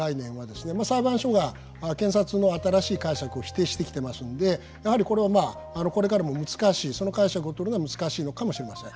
裁判所が検察の新しい解釈を否定してきてますのでやはりこれはまあこれからも難しいその解釈を取るのは難しいのかもしれません。